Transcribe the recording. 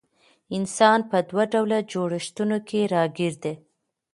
انسان په دوه ډوله جوړښتونو کي راګېر دی